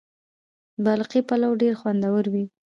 د باقلي پلو ډیر خوندور وي.